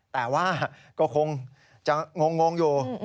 แต่ว่าก็คงจะงงอยู่